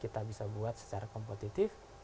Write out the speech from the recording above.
kita bisa buat secara kompetitif